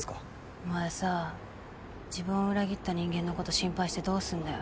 お前さ自分を裏切った人間のこと心配してどうすんだよ。